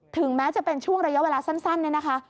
ถึงแม้จะเป็นช่วงระยะเวลาสั้นเนี่ยนะคะ